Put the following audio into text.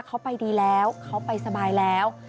เขาไปดีแล้วเขาไปสบายแล้ว